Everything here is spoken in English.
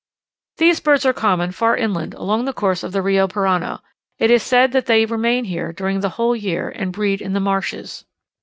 These birds are common far inland along the course of the Rio Parana; it is said that they remain here during the whole year, and breed in the marshes.